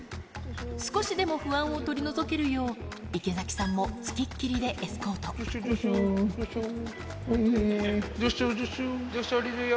少しでも不安を取り除けるよう、池崎さんも付きっきりでエスコーゾンショウ、おりるよ。